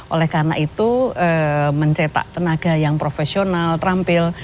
oleh karena itu mencetak tenaga yang profesional terampil